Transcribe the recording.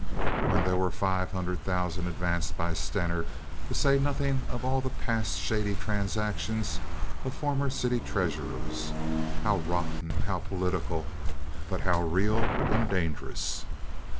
When there was the five hundred thousand advanced by Stener, to say nothing of all the past shady transactions of former city treasurers! How rotten! How political, but how real and dangerous.